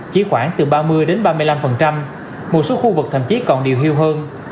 chỉ khoảng từ ba mươi đến ba mươi năm một số khu vực thậm chí còn điều hiu hơn